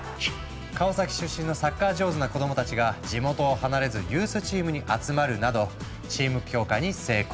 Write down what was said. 川崎出身のサッカー上手な子どもたちが地元を離れずユースチームに集まるなどチーム強化に成功。